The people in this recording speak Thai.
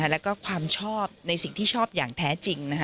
แล้วก็ความชอบในสิ่งที่ชอบอย่างแท้จริง